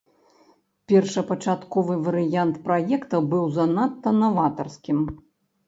Першапачатковы варыянт праекта быў занадта наватарскім.